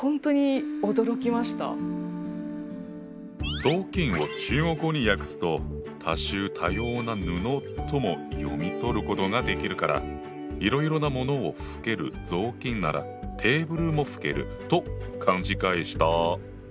「雑巾」を中国語に訳すと「多種多様な布」とも読み取ることができるからいろいろなものを拭ける雑巾ならテーブルも拭けると勘違いした。